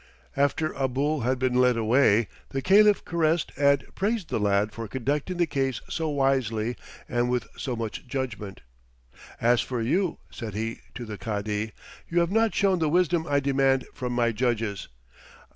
After Abul had been led away the Caliph caressed and praised the lad for conducting the case so wisely and with so much judgment. "As for you," said he to the Cadi, "you have not shown the wisdom I demand from my judges.